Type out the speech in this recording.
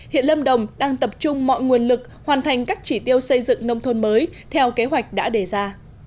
hiện lâm đồng đang tập trung mọi nguồn lực hoàn thành các chỉ tiêu xây dựng nông thôn mới theo kế hoạch đã đề ra